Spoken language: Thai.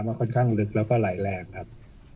มันค่อนข้างลึกแล้วก็ไหลแรงครับ